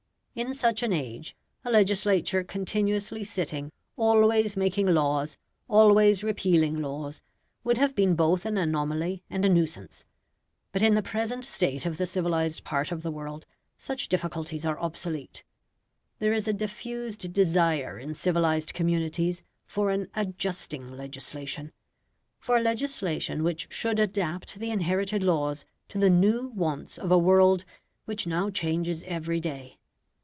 In such an age a legislature continuously sitting, always making laws, always repealing laws, would have been both an anomaly and a nuisance. But in the present state of the civilised part of the world such difficulties are obsolete. There is a diffused desire in civilised communities for an ADJUSTING legislation; for a legislation which should adapt the inherited laws to the new wants of a world which now changes every day.